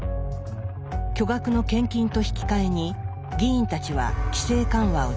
巨額の献金と引き換えに議員たちは規制緩和を実施。